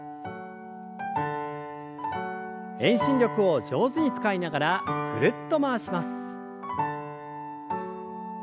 遠心力を上手に使いながらぐるっと回します。